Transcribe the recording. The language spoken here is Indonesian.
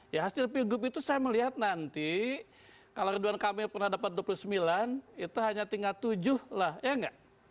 ya hasil pilgub itu saya melihat nanti kalau ridwan kamil pernah dapat dua puluh sembilan itu hanya tinggal tujuh lah ya enggak